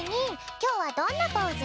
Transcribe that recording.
きょうはどんなポーズ？